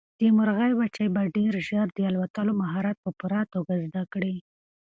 د مرغۍ بچي به ډېر ژر د الوتلو مهارت په پوره توګه زده کړي.